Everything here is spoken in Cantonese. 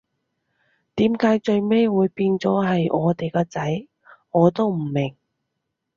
點解最尾會變咗係我哋嘅仔，我都唔明